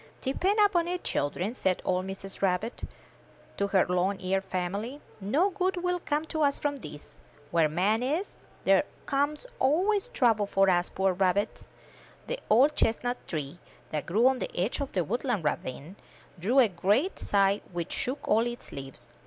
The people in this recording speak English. '^Depend upon it, children,'' said old Mrs. Rabbit to her long eared family, no good will come to us from this. Where man is, there comes always trouble for us poor rabbits." The old chestnut tree, that grew on the edge of the woodland ravine, drew a great sigh which shook all his leaves.